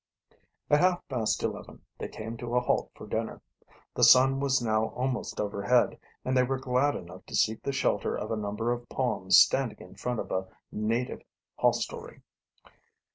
At half past eleven they came to a halt for dinner. The sun was now almost overhead, and they were glad enough to seek the shelter of a number of palms standing in front of a native hostelry.